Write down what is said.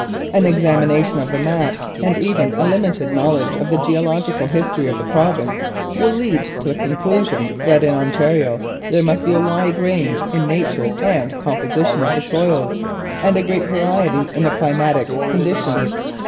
An examination of the map, and even a limited knowledge of the geological history of the province, will lead to the conclusion that in Ontario there must be a wide range in the nature and composition of the soils and a great variety in the climatic conditions.